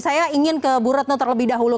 saya ingin ke bu retno terlebih dahulu